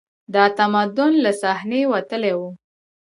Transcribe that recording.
دا تمدن له صحنې وتلی و